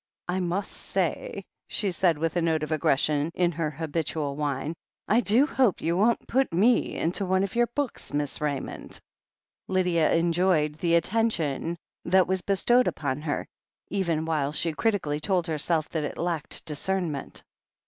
"I must say," she said with a note of aggression in her habitual whine, "I do hope you won't put me into one of your books, Miss Raymond." Lydia enjoyed the attention that was bestowed upon THE HEEL OF ACHILLES 155 ha", even while she critically told herself that it lacked discernment.